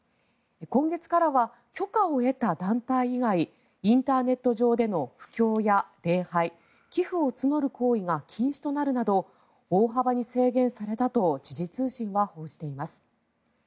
今月からは許可を得た団体以外インターネット上での布教は礼拝、寄付を募る行為が禁止となるなど大幅に制限されたと時事通信は報じています。